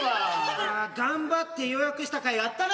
ああ頑張って予約した甲斐あったな。